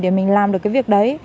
để mình làm được cái việc đấy